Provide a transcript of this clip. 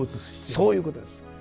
そういうことです。